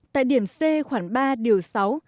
tại điểm c khoảng ba điều sáu